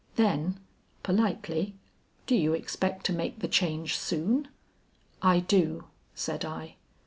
Then politely, "Do you expect to make the change soon?" "I do," said I.